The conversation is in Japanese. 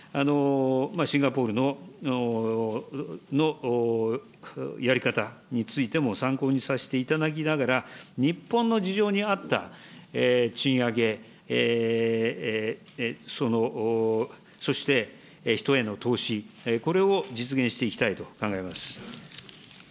シンガポールのやり方についても参考にさせていただきながら、日本の事情に合った賃上げ、そして人への投資、これを実現していきたいと考えます。